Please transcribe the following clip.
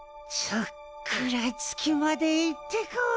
ちょっくら月まで行ってこい。